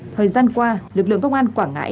thời gian qua lực lượng công an quảng ngãi